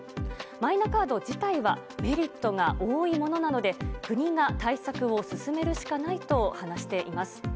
マイナカード自体はメリットが多いものなので国が対策を進めるしかないと話しています。